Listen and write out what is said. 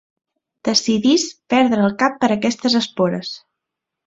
Decidís perdre el cap per aquestes espores.